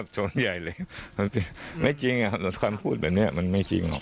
ใช่ไหม